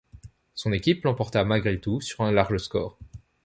Son équipe l'emporta malgré tout sur un large score.